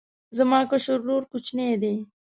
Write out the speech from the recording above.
زما کشر ورور کوچنی دی